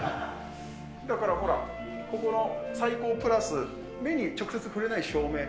だからほら、ここの採光プラス目に直接触れない照明。